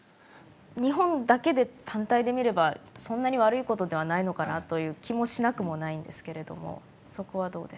日本だけで単体で見ればそんなに悪いことではないのかなという気もしなくもないんですけれどもそこはどうですか？